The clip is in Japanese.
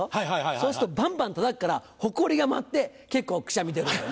そうするとバンバンたたくからホコリが舞って結構くしゃみ出るんだよね。